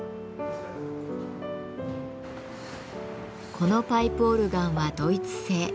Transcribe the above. このパイプオルガンはドイツ製。